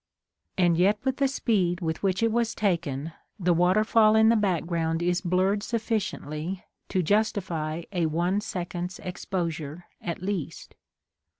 And yet with the speed with which it was taken the waterfall in the background is blurred sufficiently to justify a one second's expo sure at least.